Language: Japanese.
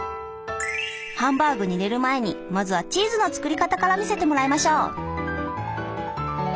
ハンバーグに入れる前にまずはチーズの作り方から見せてもらいましょう。